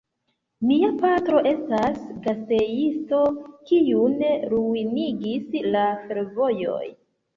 Mia patro estas gastejisto, kiun ruinigis la fervojoj.